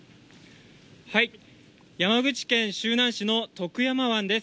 山口県周南市の徳山湾です。